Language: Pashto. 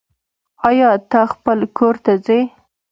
آيا ته خپل کور ته ځي